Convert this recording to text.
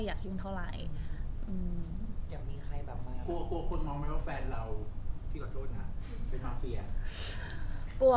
แต่ว่าหนูเชื่อว่า